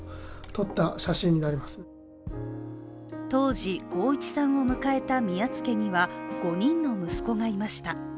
当時、航一さんを迎えた宮津家には５人の息子がいました。